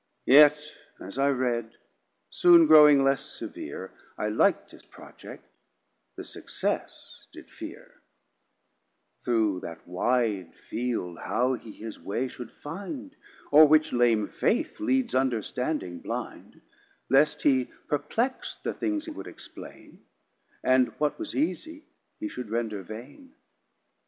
Yet as I read soon growing less severe, I lik'd his Project, the success did fear; Through that wide Field how he his way should find O're which lame Faith leads Understanding blind; Lest he perplex'd the things he would explain, And what was easie he should render vain.